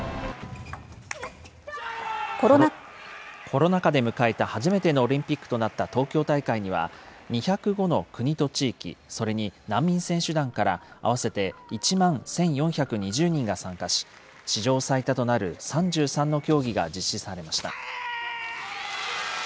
コロナ禍で迎えた初めてのオリンピックとなった東京大会には、２０５の国と地域、それに難民選手団から、合わせて１万１４２０人が参加し、史上最多となる３３の競技が実施されました。